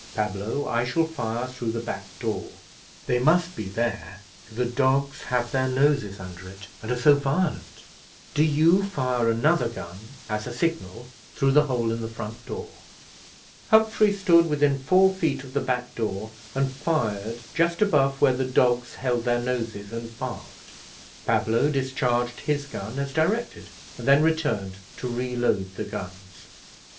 Pablo, I shall fire through the back door; they must be there, for the dogs have their noses under it, and are so violent. Do you fire another gun, as a signal, through the hole in the front door." Humphrey stood within four feet of the back door, and fired just above where the dogs held their noses and barked. Pablo discharged his gun as directed, and then returned to reload the guns.